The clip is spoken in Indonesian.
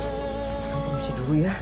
aku harus tidur ya